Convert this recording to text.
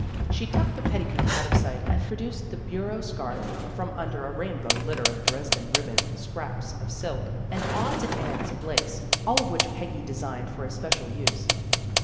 She tucked the petticoat out of sight, and produced the bureau scarf from under a rainbow litter of Dresden ribbon, scraps of silk, and odds and ends of lace, all of which Peggy designed for especial use.